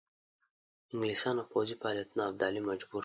انګلیسیانو پوځي فعالیتونو ابدالي مجبور کړ.